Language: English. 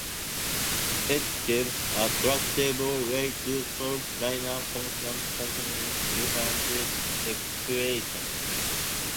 It gives a tractable way to solve linear, constant-coefficient difference equations.